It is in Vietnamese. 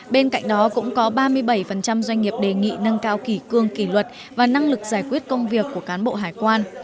bên cạnh đó cũng có ba mươi bảy doanh nghiệp đề nghị nâng cao kỷ cương kỷ luật và năng lực giải quyết công việc của cán bộ hải quan